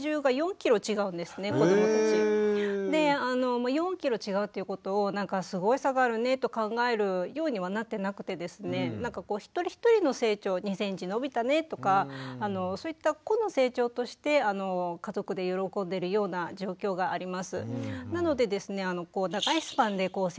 で４キロ違うということをなんかすごい差があるねと考えるようにはなってなくてですねなんか一人一人の成長２センチ伸びたねとかそういった個の成長として家族で喜んでるような状況があります。